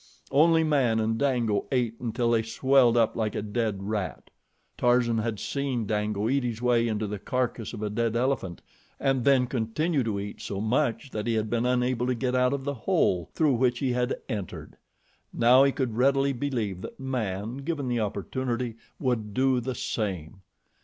Only man and Dango ate until they swelled up like a dead rat. Tarzan had seen Dango eat his way into the carcass of a dead elephant and then continue to eat so much that he had been unable to get out of the hole through which he had entered. Now he could readily believe that man, given the opportunity, would do the same.